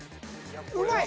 うまい！